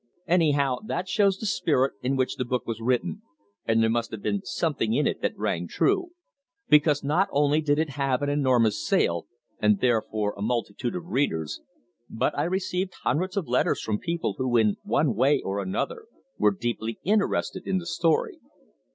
Anyhow that shows the spirit in which the book was written, and there must have been something in it that rang true, because not only did it have an enormous sale and therefore a multitude of readers, but I received hundreds of letters from people who in one way or another were deeply interested in the story.